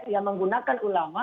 ya menggunakan ulama